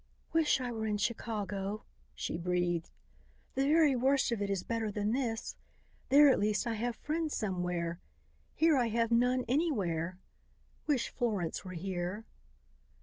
"Wish I were in Chicago," she breathed. "The very worst of it is better than this. There at least I have friends somewhere. Here I have none anywhere. Wish Florence were here."